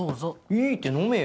いいって飲めよ。